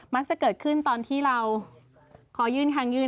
มักจะเกิดขึ้นตอนที่เราขอยื่นทางยื่น